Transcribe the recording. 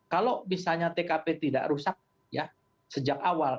kalau misalnya tkp tidak rusak ya sejak awal